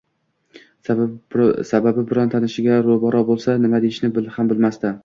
Sababi biron tanishiga ro`baro` bo`lsa nima deyishni ham bilmasdi